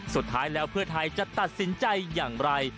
สุดท้ายแล้วเพื่อไทยจะตัดสินใจอย่างไร